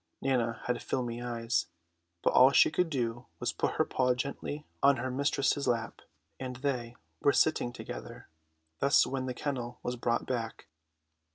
Nana had filmy eyes, but all she could do was put her paw gently on her mistress's lap; and they were sitting together thus when the kennel was brought back.